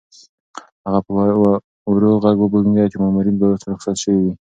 هغه په ورو غږ وبونګېده چې مامورین به اوس رخصت شوي وي.